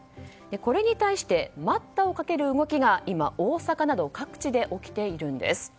これに対して待ったをかける動きが今、大阪など各地で起きているんです。